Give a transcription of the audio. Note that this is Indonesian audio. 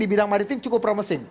di bidang maritim cukup promesin